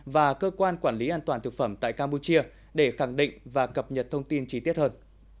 và cơ quan quản lý an toàn thực phẩm tại campuchia để khẳng định và cập nhật thông tin chi tiết hơn